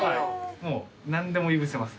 もう何でもいぶせます。